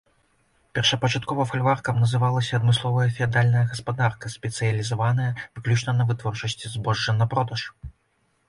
Першапачаткова фальваркам называлася адмысловая феадальная гаспадарка, спецыялізаваная выключна на вытворчасці збожжа на продаж.